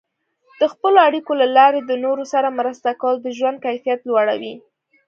د خپلو اړیکو له لارې د نورو سره مرسته کول د ژوند کیفیت لوړوي.